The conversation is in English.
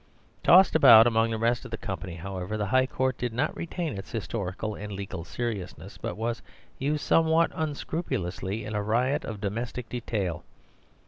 Tossed about among the rest of the company, however, the High Court did not retain its historical and legal seriousness, but was used somewhat unscrupulously in a riot of domestic detail.